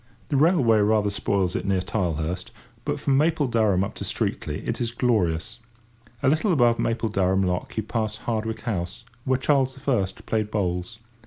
The railway rather spoils it near Tilehurst, but from Mapledurham up to Streatley it is glorious. A little above Mapledurham lock you pass Hardwick House, where Charles I. played bowls.